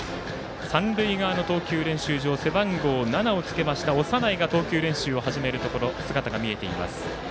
三塁側の投球練習場背番号７をつけました長内が投球練習を始める姿が見えています。